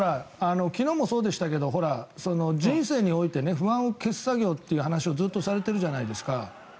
昨日もそうでしたけど人生において不安を消す作業という話をずっとされてるじゃないですか。